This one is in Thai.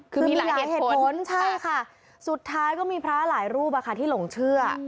คือมีหลายเหตุผลใช่ค่ะสุดท้ายก็มีพระหลายรูปที่หลงเชื่อ